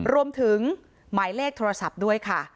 รวมถึงหมายเลขโทรศัพท์ด้วยค่ะ